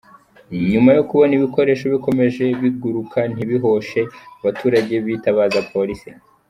Nyuma yo kubona ibikoresho bikomeje biguruka ntibihoshe, abaturage bitabaje polisi.